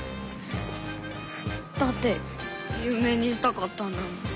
だってゆう名にしたかったんだもん。